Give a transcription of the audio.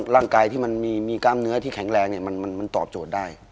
ร่างกายที่มันมีกล้ามเนื้อที่แข็งแรงมันตอบโจทย์ได้